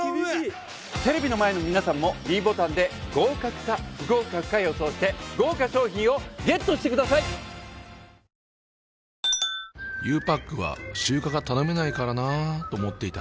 テレビの前の皆さんもｄボタンで合格か不合格か予想して豪華賞品をＧＥＴしてくださいんー！